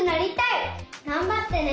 がんばってね！